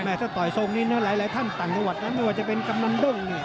แม่จะต่อยทรงนี้นะหลายท่านต่างจังหวัดไม่ว่าจะเป็นกำรรมดุ่ง